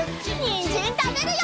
にんじんたべるよ！